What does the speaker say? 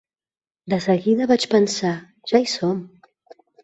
De seguida vaig pensar: Ja hi som!